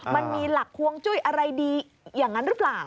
มันมีหลักควงจุ้ยอะไรดีอย่างนั้นหรือเปล่า